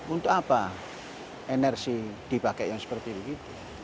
untuk apa energi dipakai yang seperti begitu